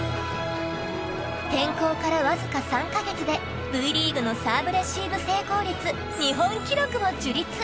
転向からわずか３か月でＶリーグのサーブレシーブ成功率日本記録を樹立！